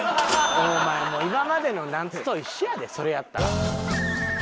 お前今までの夏と一緒やでそれやったら。